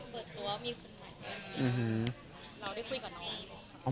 เราได้คุยกับน้อง